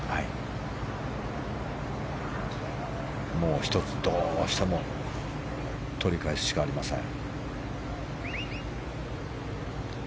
もう１つ、どうしても取り返すしかありません。